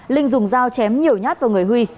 linh dùng dao chém nhiều nhát vào người huy